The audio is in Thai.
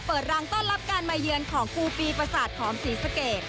เปิดรังต้อนรับการมายเยือนของครูปีปศาสตร์ของศรีสะเกก